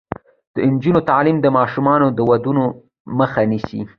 د نجونو تعلیم د ماشوم ودونو مخه نیسي.